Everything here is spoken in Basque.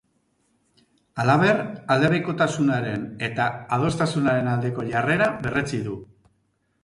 Halaber, aldebikotasunaren eta adostasunaren aldeko jarrera berretsi du.